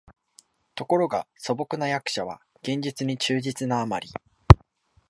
ところが素朴な訳者は原文に忠実なあまり、